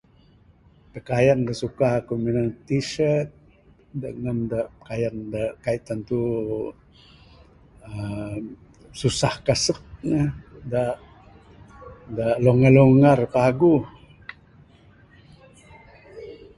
Pakayan da aku suka minan ne t-shirt da nan da pakayan da kaik tantu uhh susah kasek ne da longgar longgar paguh.